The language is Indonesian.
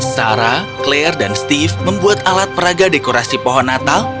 sarah claire dan steve membuat alat peraga dekorasi pohon natal